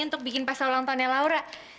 untuk bikin pasta ulang tahunnya laura